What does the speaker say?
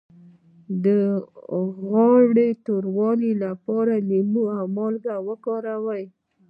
د غاړې د توروالي لپاره لیمو او مالګه وکاروئ